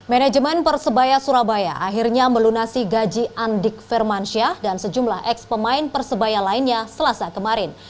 manajemen persebaya surabaya akhirnya melunasi gaji andik firmansyah dan sejumlah ex pemain persebaya lainnya selasa kemarin